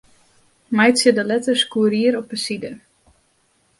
Meitsje de letters Courier op 'e side.